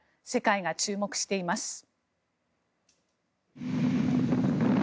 世界が注目しています。